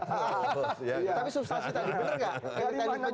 tapi substansi tadi bener gak